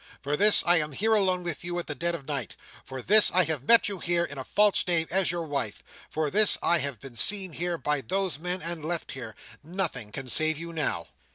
For this, I am here alone with you, at the dead of night. For this, I have met you here, in a false name, as your wife. For this, I have been seen here by those men, and left here. Nothing can save you now."